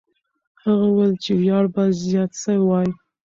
هغه وویل چې ویاړ به زیات سوی وای.